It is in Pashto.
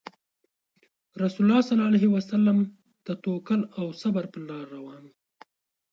رسول الله صلى الله عليه وسلم د توکل او صبر په لار روان وو.